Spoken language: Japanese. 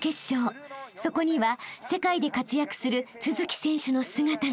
［そこには世界で活躍する都築選手の姿が］